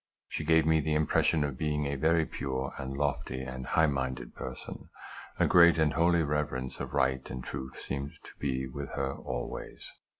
She gave me the impression of being a very pure, and lofty, and high minded person. A great and holy reverence of right and truth seemed to be with her always.